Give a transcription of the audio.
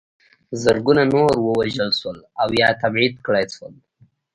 زرګونه نور ووژل شول او یا تبعید کړای شول.